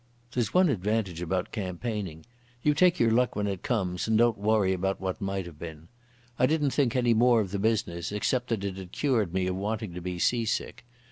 There's one advantage about campaigning. You take your luck when it comes and don't worry about what might have been. I didn't think any more of the business, except that it had cured me of wanting to be sea sick.